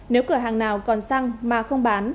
nếu cửa hàng nào còn xăng mà không bán